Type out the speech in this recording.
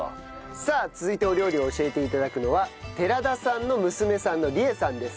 さあ続いてお料理を教えて頂くのは寺田さんの娘さんの理絵さんです。